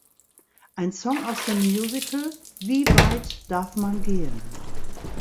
Ein Song aus dem Musical, "Wie Weit darf man gehen?